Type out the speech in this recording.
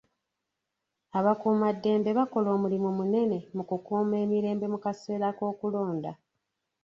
Abakuumaddembe bakola omulimi munene mu kukuuma emirembe mu kaseera k'okulonda.